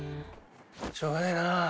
しょうがないな。